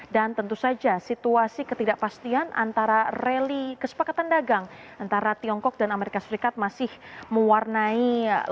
dan tentu saja situasi ketidakpastian antara rally kesepakatan dagang antara tiongkok dan as masih mewarnai